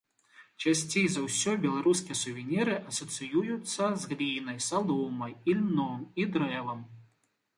Часцей за ўсё беларускія сувеніры асацыююцца з глінай, саломай, ільном і дрэвам.